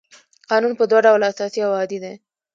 قانون په دوه ډوله اساسي او عادي دی.